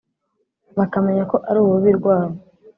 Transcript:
bakamenya ko ari urubibi rwabo